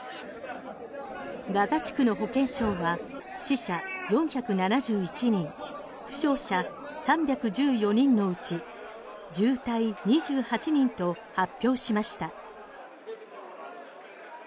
ガザ地区の保健省は死者４７１人負傷者３１４人のうち重体２８人と発表しました。